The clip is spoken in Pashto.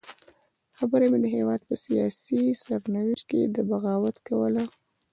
خبره مې د هېواد په سیاسي سرنوشت کې د بغاوت کوله.